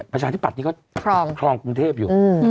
ประชาธิบัตย์นี้ก็ครองกรุงเทพอยู่